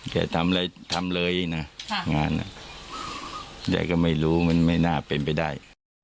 ทำอะไรทำเลยนะงานแกก็ไม่รู้มันไม่น่าเป็นไปได้